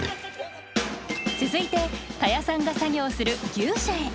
続いて田谷さんが作業する牛舎へ。